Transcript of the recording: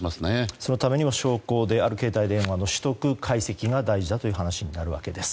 そのためにも証拠である携帯電話の取得・解析が大事だという話になるわけです。